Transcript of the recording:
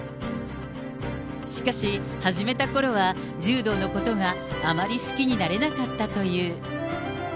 しかし、始めたころは柔道のことがあまり好きになれなかったという。